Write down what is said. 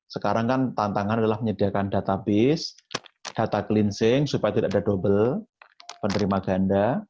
sekarang kan tantangan adalah menyediakan database data cleansing supaya tidak ada double penerima ganda